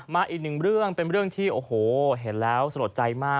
อีกหนึ่งเรื่องเป็นเรื่องที่โอ้โหเห็นแล้วสะลดใจมาก